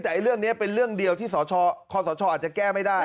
แต่เรื่องนี้เป็นเรื่องเดียวที่สชอาจจะแก้ไม่ได้